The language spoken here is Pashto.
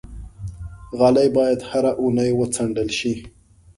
غالۍ باید هره اونۍ وڅنډل شي.